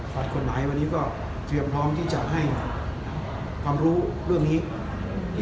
ฝ่ายกฎหมายวันนี้ก็เตรียมพร้อมที่จะให้ความรู้เรื่องนี้